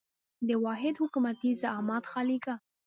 د واحد حکومتي زعامت خالیګاه.